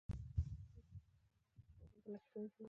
متغیره پانګه او ثابته پانګه لګښتونه جوړوي